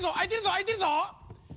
あいてるぞ！